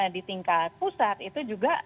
di tingkat pusat itu juga